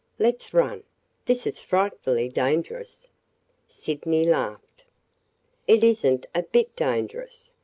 Let 's run! This is frightfully dangerous!" Sydney laughed. "It is n't a bit dangerous.